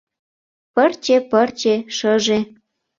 «Пырче, пырче, шыже